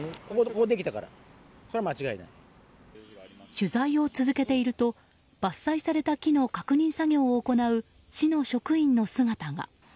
取材を続けていると伐採された木の確認作業を行う市の職員の姿が。